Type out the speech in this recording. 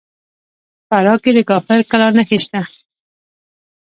په فراه کې د کافر کلا نښې شته